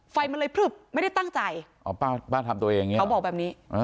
ไฟมันเลยพลึบไม่ได้ตั้งใจอ๋อป้าป้าทำตัวเองอย่างเงี้เขาบอกแบบนี้